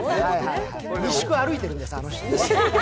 三宿、歩いてるんで、あの人。